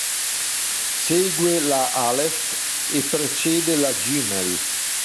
Segue la "aleph" e precede la "gimel".